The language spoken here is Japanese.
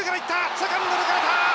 セカンド抜かれた。